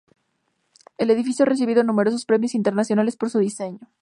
El edificio ha recibido numerosos premios internacionales por su diseño.